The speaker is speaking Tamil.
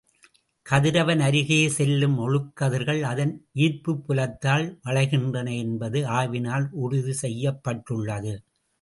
கதிரவன் அருகே செல்லும் ஒளிக்கதிர்கள் அதன் ஈர்ப்புப் புலத்தால் வளைகின்றன என்பது ஆய்வினால் உறுதி செய்யப்பட்டுள்ளது.